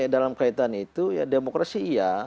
dalam kaitan itu demokrasi